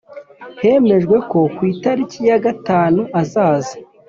Hemejwe ko ku itariki ya gatanu azaza